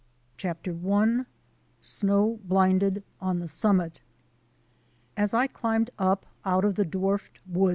CHAPTER I SNOW BLINDED ON THE SUMMIT 4 S I climbed up out of the dwarfed wood.